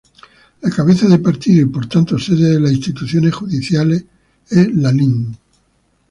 La cabeza de partido y por tanto sede de las instituciones judiciales es Lalín.